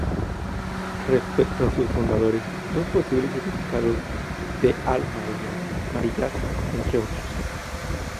Respecto a sus fundadores, dos posibles significados de al-Mariyat, entre otros.